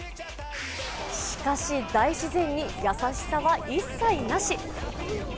しかし大自然に優しさは一切なし。